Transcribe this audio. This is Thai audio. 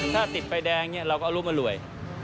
ถ้าติดไฟแดงเราก็เอารู้มารวย